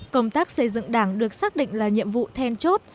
công tác xây dựng đảng được xác định là nhiệm vụ then chốt